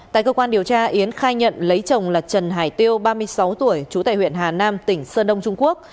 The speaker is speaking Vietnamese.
tại cơ quan điều tra yến khai nhận lấy chồng là trần hải tiêu ba mươi sáu tuổi trú tại huyện hà nam tỉnh sơn đông trung quốc